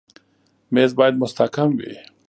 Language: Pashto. مېز باید مستحکم وي.